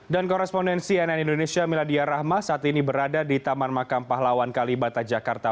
dan korespondensi nn indonesia miladia rahma saat ini berada di taman makam pahlawan kalibata jakarta